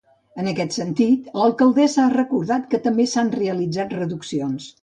En aquest sentit, l’alcaldessa ha recordat que també s’han realitzat reduccions.